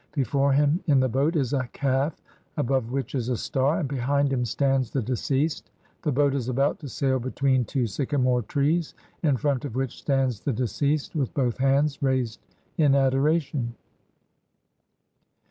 Before him in the boat is a calf above which is a star, and behind him stands the deceased. The boat is about to sail between two sycamore trees in front of which stands the deceased, with both hands raised in adoration.